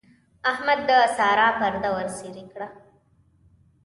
احمد د سارا پرده ورڅېرې کړه.